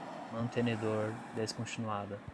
mantenedor, descontinuada